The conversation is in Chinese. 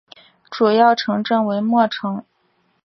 主要城镇为莫城。